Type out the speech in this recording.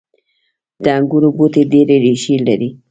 • د انګورو بوټي ډیرې ریښې لري.